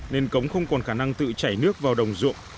nên cống không còn khả năng tự chảy nước vào đồng ruộng